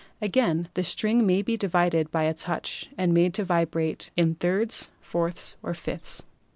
Again, the string may be divided by a touch and made to vibrate in thirds or fourths or fifths.